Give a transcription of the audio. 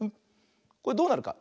これどうなるか。